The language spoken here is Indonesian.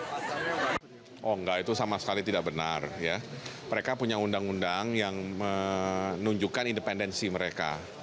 oh enggak itu sama sekali tidak benar mereka punya undang undang yang menunjukkan independensi mereka